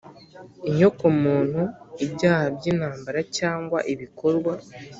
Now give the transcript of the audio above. inyoko muntu, ibyaha by'intambara cyangwa ibikorwa